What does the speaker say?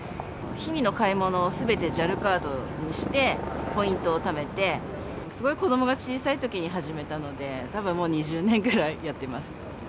日々の買い物をすべてＪＡＬカードにして、ポイントをためて、すごい子どもが小さいときに始めたので、たぶんもう２０年ぐらいやってます。